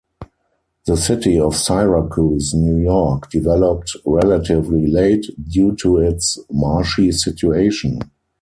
The city of Syracuse, New York developed relatively late, due to its marshy situation.